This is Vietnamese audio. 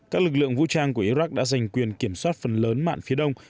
các lực lượng vũ trang của iraq đã giành quyền kiểm soát phần lớn mạng phía đông